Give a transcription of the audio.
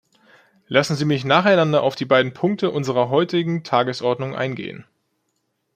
Lassen Sie mich nacheinander auf die beiden Punkte unserer heutigen Tagesordnung eingehen.